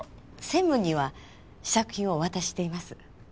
専務には試作品をお渡ししています。